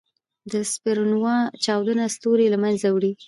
د سپرنووا چاودنه ستوری له منځه وړي.